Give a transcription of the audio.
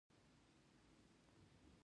هر جوړښت چې پنځه قاعدې نقض کړي بې عدالتي ده.